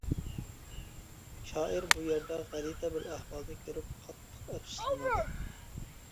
شائىر بۇ يەردە غەلىتە بىر ئەھۋالنى كۆرۈپ قاتتىق ئەپسۇسلىنىدۇ.